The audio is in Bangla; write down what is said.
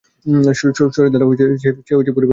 সরে দাঁড়া, সে পরিবারের অংশ।